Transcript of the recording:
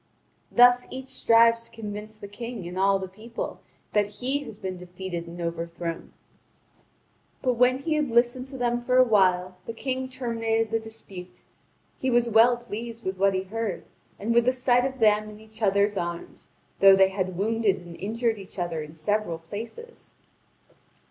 Thus each strives to convince the King and all the people that he has been defeated and overthrown. But when he had listened to them for a while, the King terminated the dispute. He was well pleased with what he heard and with the sight of them in each other's arms, though they had wounded and injured each other in several places.